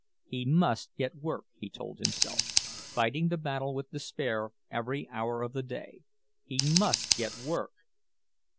He must get work, he told himself, fighting the battle with despair every hour of the day. He must get work!